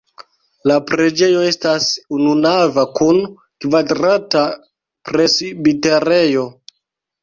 La preĝejo estas ununava kun kvadrata presbiterejo.